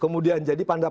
kemudian jadi panggung